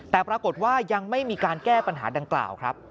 แต่ปรากฏว่ายังไม่มีการแก้ปัญหาดังกล่าวครับ